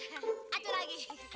peng peng peng peng